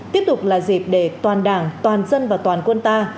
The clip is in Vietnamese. tiếp tục là dịp để toàn đảng toàn dân và toàn quân ta